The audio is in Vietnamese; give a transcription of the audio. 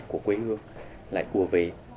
của quê hương lại của về